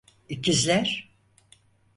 İkizler…